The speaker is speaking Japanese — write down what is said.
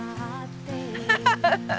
ハハハハ！